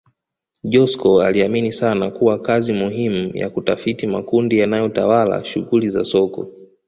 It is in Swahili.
Joskow aliamini sana kuwa kazi muhimu ya kutafiti makundi yanayotawala shughuli za soko